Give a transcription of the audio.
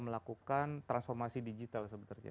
melakukan transformasi digital